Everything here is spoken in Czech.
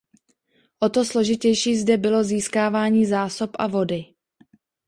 O to složitější zde bylo získávání zásob a vody.